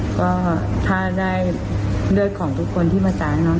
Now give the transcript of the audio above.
นอกอ่าถ้าได้เลือดของทุกคนที่มาสานน้อง